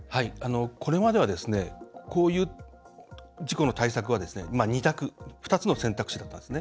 これまではこういう事故の対策は２択、２つの選択肢だったんです。